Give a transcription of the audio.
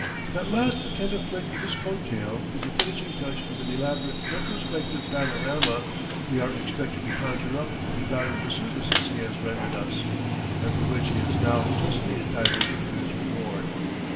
That last attentive flick of his coat tail is the finishing touch of an elaborate retrospective panorama we are expected to conjure up of the valuable services he has rendered us, and for which he is now justly entitled to his reward.